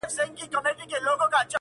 په لښکر کي یې شامل وه ټول قومونه -